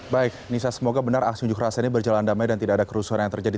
baik nisa semoga benar aksi unjuk rasa ini berjalan damai dan tidak ada kerusuhan yang terjadi